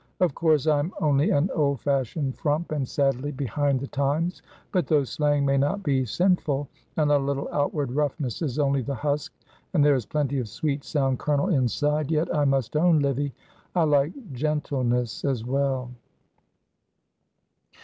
Of course, I am only an old fashioned frump and sadly behind the times, but though slang may not be sinful and a little outward roughness is only the husk, and there is plenty of sweet, sound kernel inside, yet I must own, Livy, I like gentleness as well."